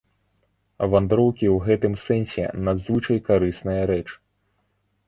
Вандроўкі ў гэтым сэнсе надзвычай карысная рэч.